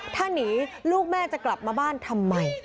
ถ้าหนีลูกแม่จะกลับมาบ้านทำไม